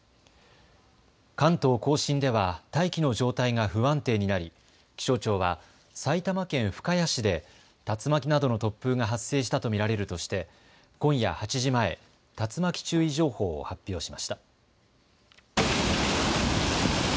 関東甲信では大気の状態が不安定になり気象庁は埼玉県深谷市で竜巻などの突風が発生したと見られるとして今夜８時前、竜巻注意情報を発表しました。